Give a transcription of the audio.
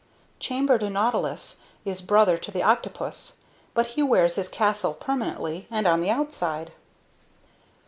Chambered nautilus is brother to the octopus, but he wears his castle permanently and on the outside.